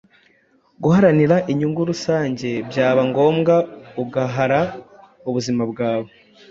guharanira inyungu rusange, byaba ngombwa ugahara ubuzima bwawe.